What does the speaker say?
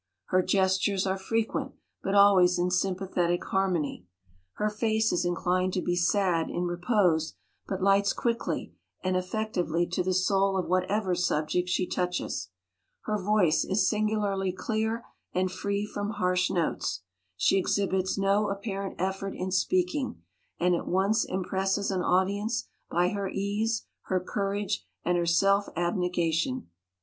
Her ges tures are frequent, but always in sympa thetic harmony. Her face is inclined to be sad in repose, but lights quickly and effec tively to the soul of whatever subject she touches. Her voice is singularly clear and free from harsh notes. She exhibits no ap parent effort in speaking, and at once im presses an audience by her ease, her courage, and her self abnegation.